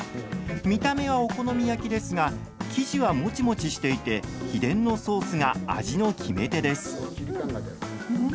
見た目はお好み焼きですが生地はもちもちしていて秘伝のソースが味の決め手です。